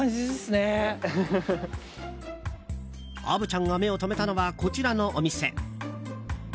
虻ちゃんが目を留めたのはこちらのお店。